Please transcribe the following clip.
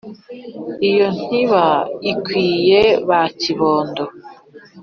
iyo ntiba ikwiye ba kibondo.